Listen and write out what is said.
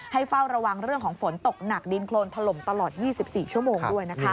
เฝ้าระวังเรื่องของฝนตกหนักดินโครนถล่มตลอด๒๔ชั่วโมงด้วยนะคะ